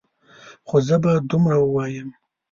خو زه به دومره ووایم.